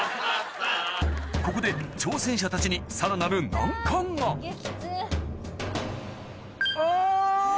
ここで挑戦者たちにさらなる難関があぁ。